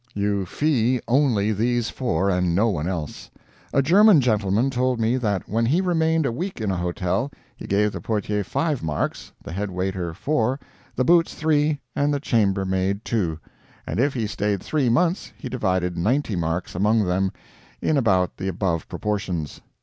You fee only these four, and no one else. A German gentleman told me that when he remained a week in a hotel, he gave the portier five marks, the head waiter four, the Boots three, and the chambermaid two; and if he stayed three months he divided ninety marks among them, in about the above proportions.